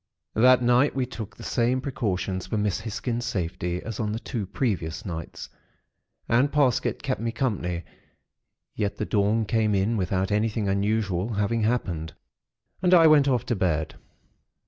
"That night, we took the same precautions for Miss Hisgins' safety, as on the two previous nights; and Parsket kept me company; yet the dawn came in without anything unusual having happened, and I went off to bed.